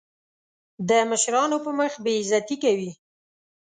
د مشرانو په مخ بې عزتي کوي.